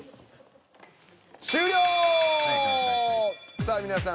さあ皆さん